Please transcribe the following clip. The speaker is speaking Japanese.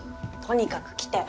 とにかく来て。